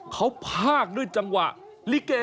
เขาพากด้วยจังหวะลิเก